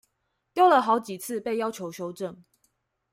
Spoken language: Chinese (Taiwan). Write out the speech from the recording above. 丟了好幾次被要求修正